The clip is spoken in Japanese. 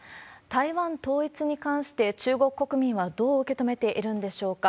台湾統一に関して中国国民はどう受け止めているんでしょうか。